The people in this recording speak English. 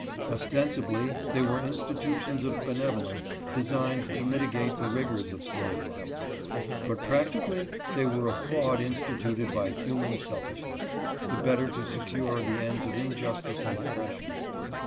Ostensibly they were institutions of benevolence designed to mitigate the rigors of slave life, but practically they were a fraud instituted by human selfishness, the better to secure the ends of injustice and oppression.